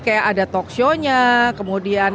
kayak ada talk show nya kemudian